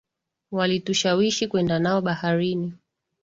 Walitushawishi kwenda nao baharini